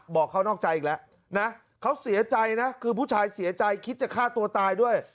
บอกเขานอกใจอีกแล้วนะเขาเสียใจนะคือผู้ชายเสียใจคิดจะฆ่าตัวตายด้วย